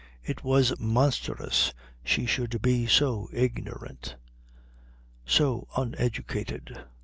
It was monstrous she should be so ignorant, so uneducated.